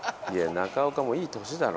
中岡もいい歳だろ？